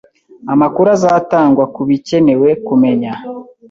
Amakuru azatangwa kubikenewe-kumenya